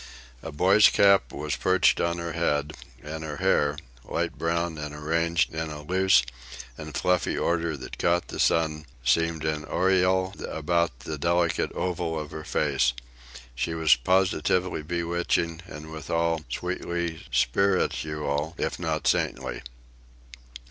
A boy's cap was perched on her head, and her hair, light brown and arranged in a loose and fluffy order that caught the sun, seemed an aureole about the delicate oval of her face. She was positively bewitching, and, withal, sweetly spirituelle, if not saintly.